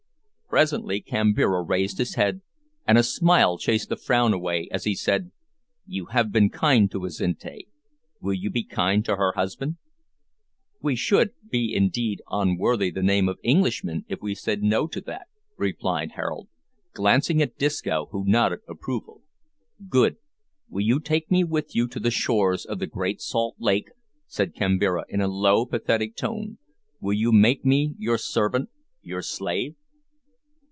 Presently Kambira raised his head, and a smile chased the frown away as he said "You have been kind to Azinte, will you be kind to her husband?" "We should be indeed unworthy the name of Englishmen if we said no to that," replied Harold, glancing at Disco, who nodded approval. "Good. Will you take me with you to the shores of the great salt lake?" said Kambira, in a low, pathetic tone, "will you make me your servant, your slave?"